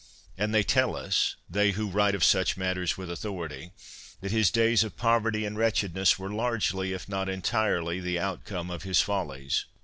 And they tell us — they who write of such matters with authority — that his days of poverty and wretchedness were largely, if not entirely, the outcome of his follies.